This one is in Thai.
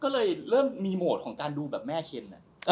ก็เลยเริ่มมีโหมดของการดูแบบแม่เคน